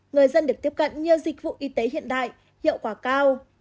người dân được tiếp cận nhiều dịch vụ y tế hiện đại hiệu quả cao